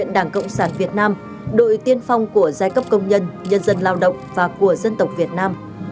đội tiên phong của giai cấp công nhân nhân dân lao động và của dân tộc việt nam